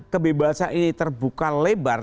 kebebasan ini terbuka lebar